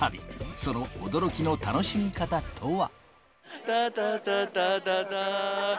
その驚きの楽しみ方とは。